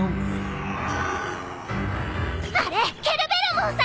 あれケルベロモンさ！